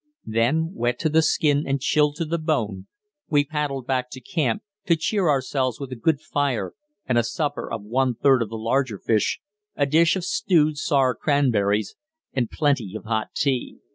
Then, wet to the skin and chilled to the bone, we paddled back to camp, to cheer ourselves up with a good fire and a supper of one third of the larger fish, a dish of stewed sour cranberries and plenty of hot tea.